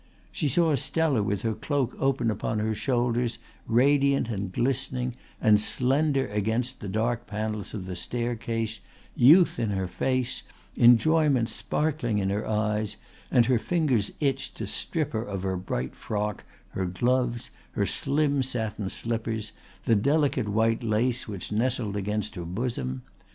She saw Stella with her cloak open upon her shoulders radiant and glistening and slender against the dark panels of the staircase, youth in her face, enjoyment sparkling in her eyes, and her fingers itched to strip her of her bright frock, her gloves, her slim satin slippers, the delicate white lace which nestled against her bosom.